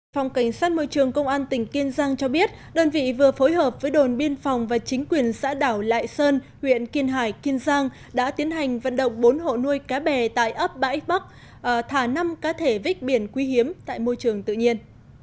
phòng cảnh sát môi trường công an tỉnh kiên giang cho biết đơn vị vừa phối hợp với đồn biên phòng và chính quyền xã đảo lại sơn huyện kiên hải kiên giang đã tiến hành vận động bốn hộ nuôi cá bè tại ấp bãi bắc thả năm cá thể vích biển quý hiếm tại môi trường tự nhiên